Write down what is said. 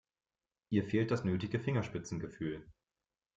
Ihr fehlt das nötige Fingerspitzengefühl.